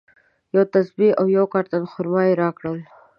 یوه تسبیج او یو کارټن خرما یې راکړل.